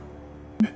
えっ。